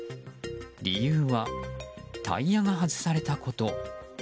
理由は、タイヤが外されたこと。